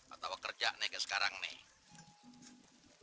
atau kerja nih kayak sekarang nih